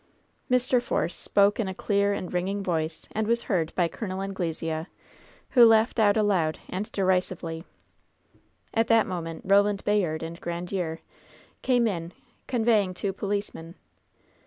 Mr. Force spoke in a clear and ringing voice, and was heard by Col. Anglesea, who laughed out aloud and derisively. At that moment Roland Bayard and Grandiere came in, convoying two policemen.